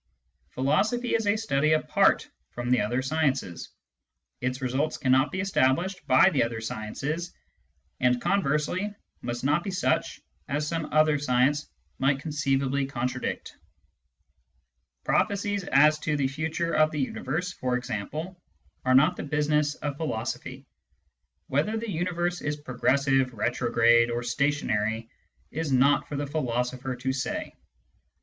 Philosophy is a study apart from the other sciences : its results cannot Digitized by Google ON THE NOTION OF CAUSE 237 be established by the other sciences, and conversely must not be such as some other science might conceivably con tradict. Prophecies as to the future of the universe, for example, are not the business of philosophy ; whether the universe is progressive, retrograde, or stationary, it is not for the philosopher to say.